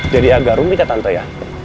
jadi agak rumit ya tante ya